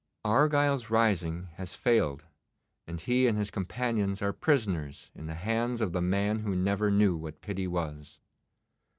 Argyle's rising has failed, and he and his companions are prisoners in the hands of the man who never knew what pity was.